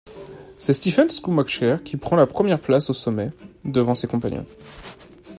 C'est Stefan Schumacher qui prend la première place au sommet, devant ses compagnons.